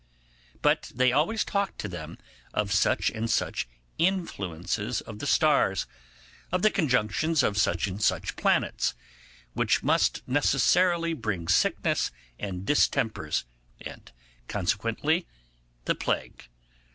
But they always talked to them of such and such influences of the stars, of the conjunctions of such and such planets, which must necessarily bring sickness and distempers, and consequently the plague.